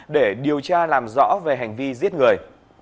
để điều tra làm rõ về hành vi giết người